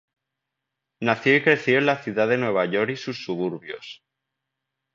Nació y creció en la ciudad de Nueva York y sus suburbios.